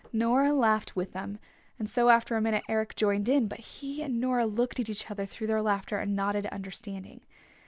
Nora laughed with them, and so after a minute Eric joined in. But he and Nora looked at each other through their laughter and nodded understanding.